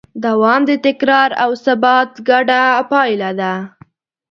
دوام د تکرار او ثبات ګډه پایله ده.